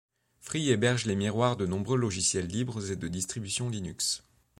Free héberge les miroirs de nombreux logiciels libres et de distributions Linux.